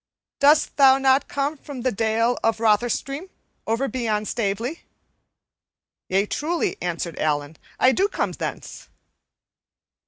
Dost thou not come from the Dale of Rotherstream, over beyond Stavely?" "Yea, truly," answered Allan, "I do come thence."